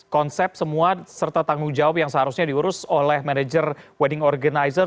konsep semua serta tanggung jawab yang seharusnya diurus oleh manajer wedding organizer